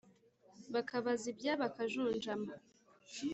Bakabazibya bakajunjama